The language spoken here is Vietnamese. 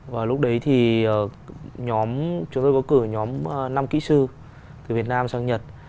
và lúc đấy thì nhóm chúng tôi có cử nhóm năm kỹ sư từ việt nam sang nhật